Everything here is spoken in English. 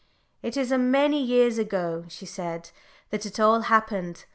"It is a many years ago," she said, "that it all happened.